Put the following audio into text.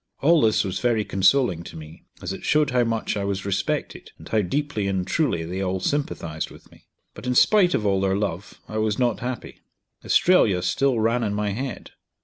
All this was very consoling to me, as it showed how much I was respected, and how deeply and truly they all sympathised with me. But in spite of all their love I was not happy; Australia still ran in my head.